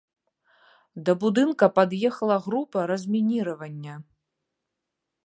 Да будынка пад'ехала група размініравання.